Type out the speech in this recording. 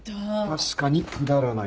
確かにくだらない。